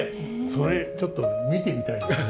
それちょっと見てみたいよね